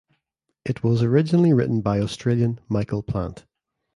It was originally written by Australian Michael Plant.